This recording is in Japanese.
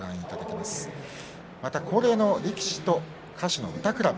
また、恒例の力士と歌手の歌くらべ。